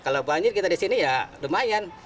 kalau banjir kita di sini ya lumayan